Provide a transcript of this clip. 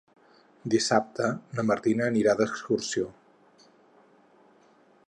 Dissabte na Martina anirà d'excursió.